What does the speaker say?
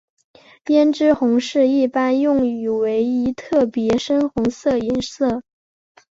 胭脂红是一般用语为一特别深红色颜色。